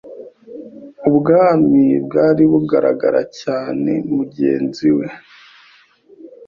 ubwami bwari bugaragara cyane mugenzi we